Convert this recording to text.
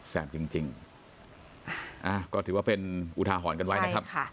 แปบจริงก็ถือว่าเป็นอุทาหรณ์กันไว้นะครับ